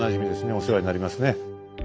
お世話になりますね。